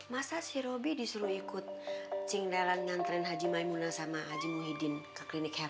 masa si robi disuruh ikut chinglelang ngantren haji maimuna sama haji muhyiddin ke klinik head